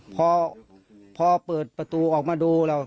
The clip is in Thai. พอพอเปิดประตูออกมาดูแล้ว